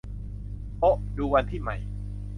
โอ๊ะ ดูวันที่ใหม่